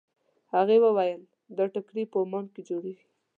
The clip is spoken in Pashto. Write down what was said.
هغې وویل دا ټیکري په عمان کې جوړېږي.